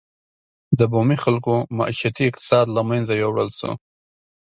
د بومي خلکو معیشتي اقتصاد له منځه یووړل شو.